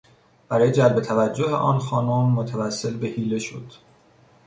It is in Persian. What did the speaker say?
برای جلب توجه آن خانم متوسل به حیله شد.